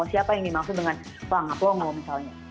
siapa yang dimaksud dengan plak nga pongo misalnya